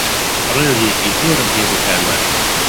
ڕێزێکی زۆرم هەیە بۆ کاروان.